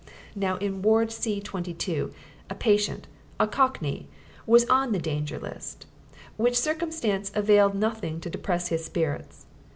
Now in Ward C 22 a patient, a cockney, was on the Danger List which circumstance availed nothing to depress his spirits.